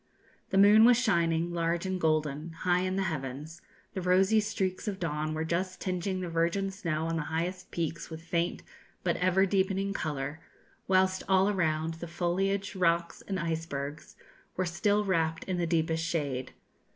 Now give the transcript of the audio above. The moon was shining, large and golden, high in the heavens; the rosy streaks of dawn were just tinging the virgin snow on the highest peaks with faint but ever deepening colour; whilst all around, the foliage, rocks, and icebergs were still wrapped in the deepest shade.